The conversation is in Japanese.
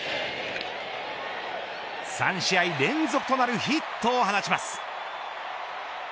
３試合連続となるヒットを放ちます。